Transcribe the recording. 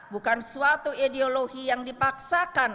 bukan suatu ideologi yang dipaksakan